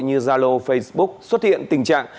như zalo facebook xuất hiện tình trạng